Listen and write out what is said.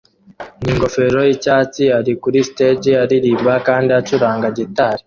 ningofero yicyatsi ari kuri stage aririmba kandi acuranga gitari